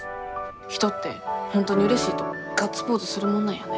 人って本当にうれしいとガッツポーズするもんなんやね。